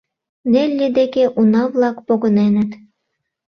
Нелли деке уна-влак погыненыт.